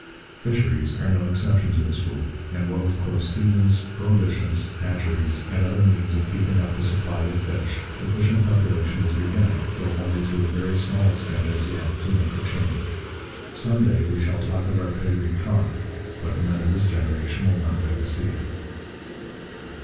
Fisheries are no exception to this rule; and what with close seasons, prohibitions, hatcheries, and other means of keeping up the supply of fish, the fishing population is beginning, though only to a very small extent as yet, to make the change. Some day we shall talk of our pedigree cod, but the men of this generation will not live to see it.